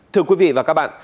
thưa quý vị và các bạn